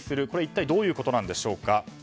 これは一体どういうことなんでしょうか。